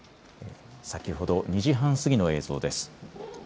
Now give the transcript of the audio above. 先ほど２時半過ぎの映像です。